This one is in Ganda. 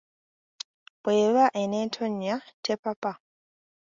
"Bw'eba en'etonnya, tepapa."